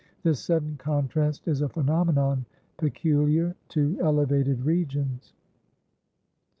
This sudden contrast is a phenomenon peculiar to elevated regions.